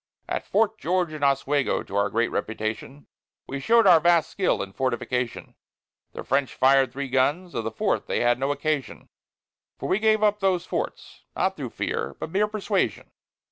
At Fort George and Oswego, to our great reputation, We show'd our vast skill in fortification; The French fired three guns; of the fourth they had no occasion; For we gave up those forts, not through fear, but mere persuasion.